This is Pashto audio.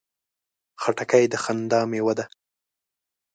خټکی د خندا مېوه ده.